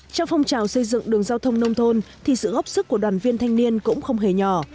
trong phong trào xây dựng đường giao thông nông thôn thì sự góp sức của đoàn viên thanh niên cũng không hề nhỏ